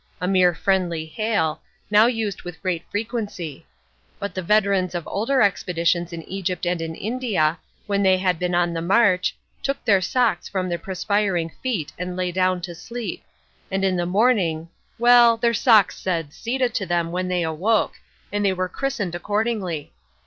a mere friendly hail, now used with great frequency. But the veterans of older expeditions in Egypt and in India, when they had been on the march, took their socks from their perspiring feet and lay down to sleep; and in the morning well, their socks said "Sieda!" to them when they awoke, and were christened accordingly....